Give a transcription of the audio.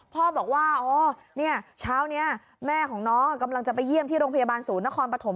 พ่อบอกว่าอ๋อเนี่ยเช้านี้แม่ของน้องกำลังจะไปเยี่ยมที่โรงพยาบาลศูนย์นครปฐม